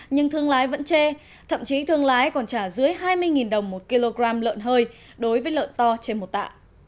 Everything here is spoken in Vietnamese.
nhưng thương lái vẫn chê thậm chí thương lái còn trả dưới hai mươi đồng một kg lợn hơi đối với lợn to trên một tạ